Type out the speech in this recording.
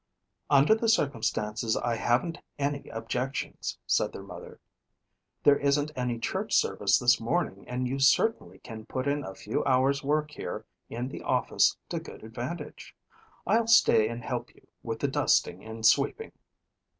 "Under the circumstances, I haven't any objections," said their mother. "There isn't any church service this morning and you certainly can put in a few hours work here in the office to good advantage. I'll stay and help you with the dusting and sweeping."